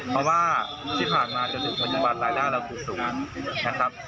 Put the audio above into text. เพราะว่าที่ผ่านมาจนถึงปัจจุบันรายได้เราคือสูงนะครับ